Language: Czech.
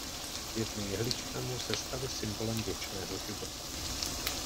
Větve jehličnanů se staly symbolem věčného života.